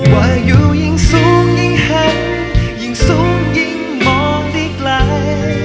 ว่าอยู่ยิ่งสูงยิ่งหักยิ่งสูงยิ่งมองได้ไกล